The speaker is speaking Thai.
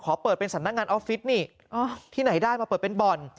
เปิดเป็นสำนักงานออฟฟิศนี่ที่ไหนได้มาเปิดเป็นบ่อน